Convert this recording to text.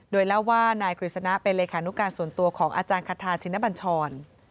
โดยเล่าว่านายกฤษณะเป็นเลขานุการส่วนตัวของอาจารย์คัทธาชินบัญชร